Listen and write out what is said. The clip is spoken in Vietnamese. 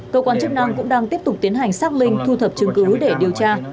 cơ quan chức năng cũng đang tiếp tục tiến hành xác minh thu thập chứng cứ để điều tra